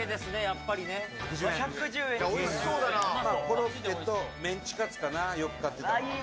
コロッケとメンチカツかなよく買ってたのは。